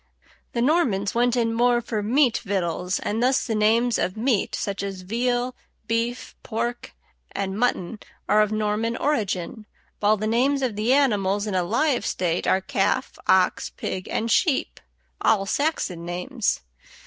The Normans went in more for meat victuals, and thus the names of meat, such as veal, beef, pork, and mutton, are of Norman origin, while the names of the animals in a live state are calf, ox, pig, and sheep, all Saxon names.